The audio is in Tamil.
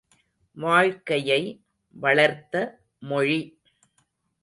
வாழ்க்கையை வளர்த்த மொழி.